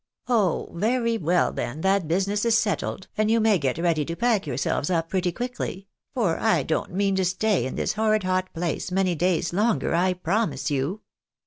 " Oh ! Very well, then, that business is settled, and you may get ready to pack yourselves up pretty quickly ; for I don't mean to stay in this horrid hot place many day's longer, I promise you."